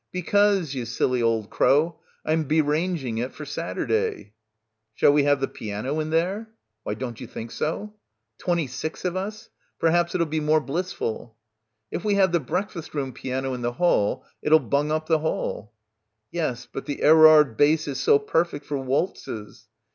'Because, you silly old crow, I'm beranging it for Saturday." "Shall we have the piano in there?" — 33 — PILGRIMAGE "Well, don't you think so?" "Twenty six of us. Perhaps it'll be more bliss ful." "If we have the breakfast room piano in the hall it'll bung up the hall." "Yes, but the Erard bass is so perfect for waltzes."